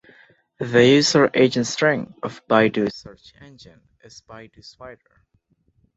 The user-agent string of Baidu search engine is "Baiduspider".